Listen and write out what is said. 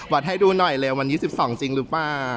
วัดให้ดูหน่อยเลยวัน๒๒จริงหรือเปล่า